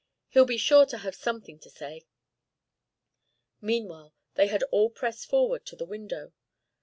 He'll be sure to have something to say." Meanwhile they had all pressed forward to the window.